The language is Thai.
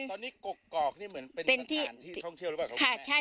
ตอนนี้กกอกนี่เหมือนเป็นสถานที่ท่องเที่ยวหรือเปล่าครับ